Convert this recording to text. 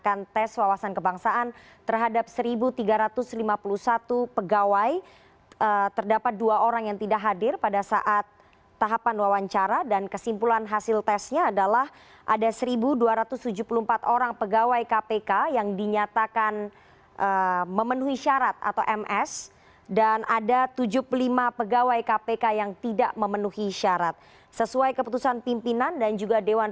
ketua kpk firly bahuri tadi menyampaikan alasan penundaan pembacaan hasil tes wawasan kebangsaan yang sudah diterima sejak dua puluh tujuh april lalu karena kpk menunggu pembacaan kebangsaan kebangsaan